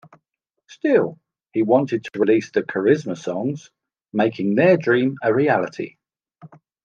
Still, he wanted to release the Charizma songs, making their dream a reality.